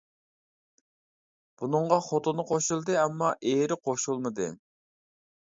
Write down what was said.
بۇنىڭغا خوتۇنى قوشۇلدى، ئەمما ئېرى قوشۇلمىدى.